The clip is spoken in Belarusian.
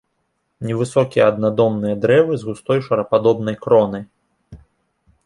Невысокія аднадомныя дрэвы з густой шарападобнай кронай.